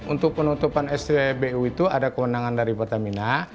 untuk penutupan stbu itu ada kewenangan dari pertamina